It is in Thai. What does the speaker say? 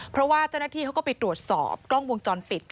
เพราะว่าเจ้าหน้าที่เขาก็ไปตรวจสอบกล้องวงจรปิด